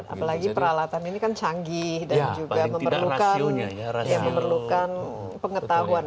apalagi peralatan ini kan canggih dan juga memerlukan pengetahuan